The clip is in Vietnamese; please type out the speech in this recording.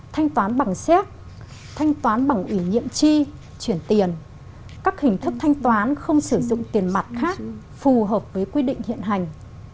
thanh toán bằng xét thanh toán bằng ủy nhiệm chi chuyển tiền các hình thức thanh toán không sử dụng tiền mặt khác phù hợp với quy định hiện hành